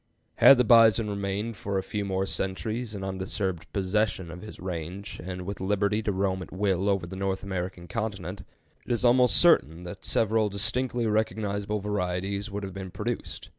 Had the bison remained for a few more centuries in undisturbed possession of his range, and with liberty to roam at will over the North American continent, it is almost certain that several distinctly recognizable varieties would have been produced.